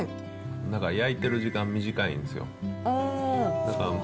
だから焼いてる時間短いんですよ。